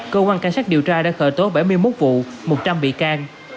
cơ quan cảnh sát điều tra đã khởi tố bảy mươi một vụ một trăm linh bị can